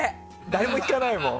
誰も引かないもん。